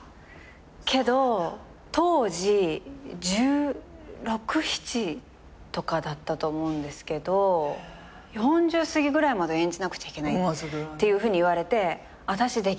けど当時１６１７とかだったと思うんですけど４０すぎぐらいまで演じなくちゃいけないっていうふうに言われてあたしできませんって。